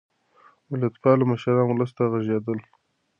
ملتپال مشران ولس ته غږېدل.